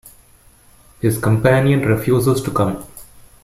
His companion refuses to come.